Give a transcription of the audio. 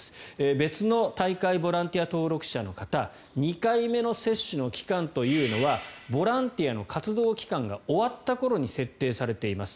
別の大会ボランティア登録者の方２回目の接種の期間というのはボランティアの活動期間が終わった頃に設定されています。